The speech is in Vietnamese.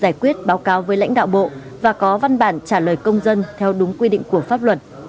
giải quyết báo cáo với lãnh đạo bộ và có văn bản trả lời công dân theo đúng quy định của pháp luật